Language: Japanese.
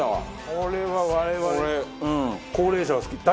これは我々。